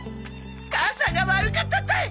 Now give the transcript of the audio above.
母さんが悪かったたい！